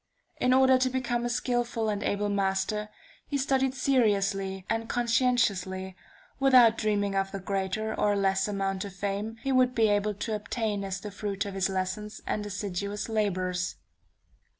In order to become a skillful and able master, he studied seriously and conscientiously, without dreaming of the greater or less amount of fame he would be able to obtain as the fruit of his lessons and assiduous labors.